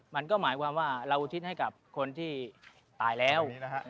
มันก็หมายความว่าเราอุทิศให้กับคนที่ตายแล้ว